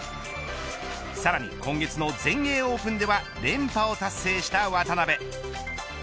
さらに、今月の全英オープンでは連覇を達成した渡辺。